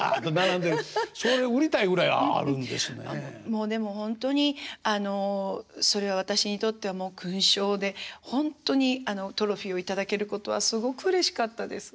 もうでもほんとにそれは私にとっては勲章でほんとにトロフィーを頂けることはすごくうれしかったです。